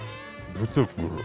出てくる。